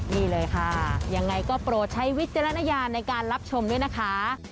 นี่เลยค่ะยังไงก็โปรดใช้วิจารณญาณในการรับชมด้วยนะคะ